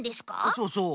そうそう。